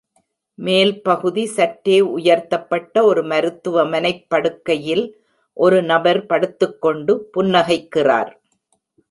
மேல் பகுதி சற்றே உயர்த்தப்பட்ட ஒரு மருத்துவமனைப் படுக்கையில் ஒரு நபர் படுத்துக் கொண்டு புன்னகைக்கிறார்.